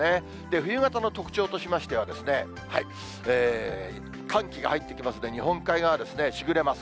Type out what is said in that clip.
冬型の特徴としましては、寒気が入ってきますんで、日本海側ですね、しぐれます。